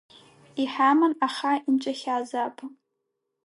Иҳаман, аха инҵәахьазаап.